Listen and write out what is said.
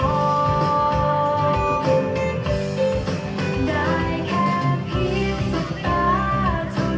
ให้เพียงสักตาเท่านั้น